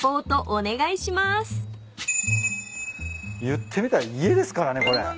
いってみたら家ですからねこれ。